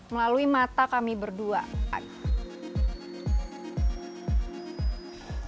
melalui mata kami berdua